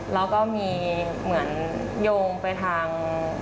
แล้วก็มีเหมือนโยงไปทาง